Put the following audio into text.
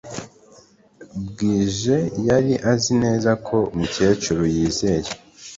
bwije yari azi neza ko umukecuru yizeye